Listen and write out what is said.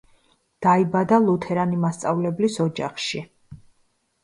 დაიბადა ლუთერანი მასწავლებლის ოჯახში.